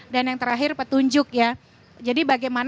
dan yang terakhir petunjuk ya